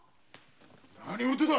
何事だ。